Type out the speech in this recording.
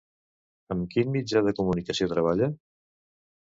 Amb quin mitjà de comunicació treballa?